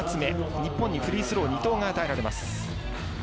日本にフリースロー２投が与えられます。